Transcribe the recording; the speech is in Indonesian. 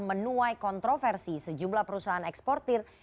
menuai kontroversi sejumlah perusahaan eksportir